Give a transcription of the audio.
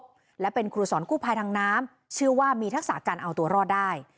และเป็นครูสอนกู้ภัยทางน้ำเชื่อว่ามีทักษะการเอาตัวรอดได้